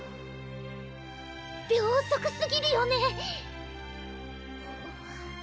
秒速すぎるよね？